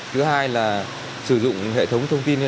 thứ hai là sử dụng hệ thống thông tin liên lạc